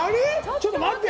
ちょっと待って。